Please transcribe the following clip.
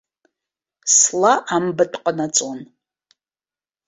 Сла амбатә ҟанаҵон.